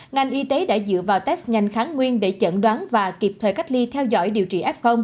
ngành y tế đã dựa vào test nhanh kháng nguyên để chẩn đoán và kịp thời cách ly theo dõi điều trị f